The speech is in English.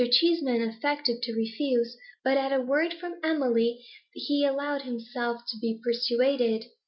Cheeseman affected to refuse, but at a word from Emily he allowed himself to be persuaded.